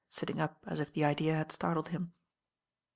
itting up at if the idea had startled him.